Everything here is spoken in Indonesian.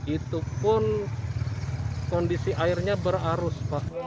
itu pun kondisi airnya berarus pak